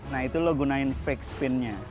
nah itu lo gunain fake spin nya